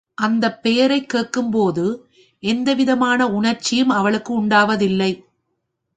அந்தப் பெயரைக் கேட்கும் போது எந்தவிதமான உணர்ச்சியும் அவளுக்கு உண்டாவதில்லை.